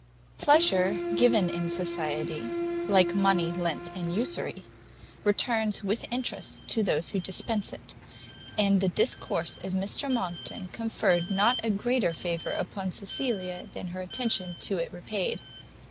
Pleasure given in society, like money lent in usury, returns with interest to those who dispense it: and the discourse of Mr Monckton conferred not a greater favour upon Cecilia than her attention to it repaid.